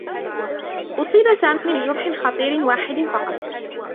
أصيب سامي بجرح خطير واحد فقط.